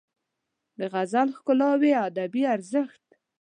د غزل ښکلاوې او ادبي ارزښت